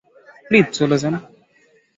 Please চলে যান।